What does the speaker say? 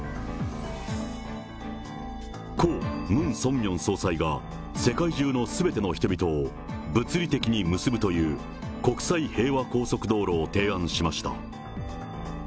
故・ムン・ソンミョン総裁が世界中のすべての人々を物理的に結ぶという国際平和高速道路を提案しました。